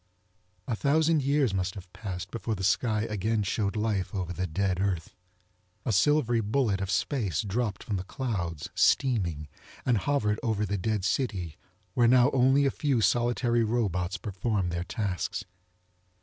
..... .a thousand years must have passed before the sky again showed life over the dead Earth. A silvery bullet of space dropped from the clouds, steaming, and hovered over the dead city where now only a few solitary robots performed their tasks.